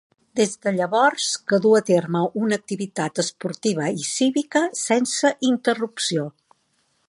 Des de llavors que du a terme una activitat esportiva i cívica sense interrupció.